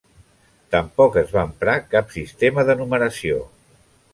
Tampoc es va emprar cap sistema de numeració.